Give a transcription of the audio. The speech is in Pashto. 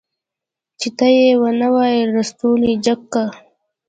چې ته يې ونه وايي لستوڼی جګ که.